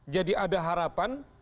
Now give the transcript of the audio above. jadi ada harapan